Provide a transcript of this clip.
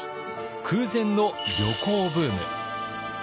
空前の旅行ブーム。